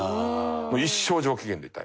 一生上機嫌でいたい。